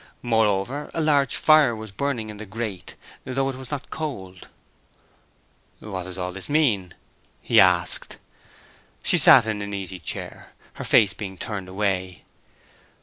Moreover, a large fire was burning in the grate, though it was not cold. "What does it all mean?" he asked. She sat in an easy chair, her face being turned away.